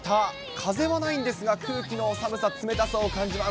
風はないんですが、空気の寒さ、冷たさを感じます。